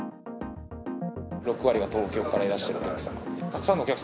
６割が東京からいらっしゃるお客様。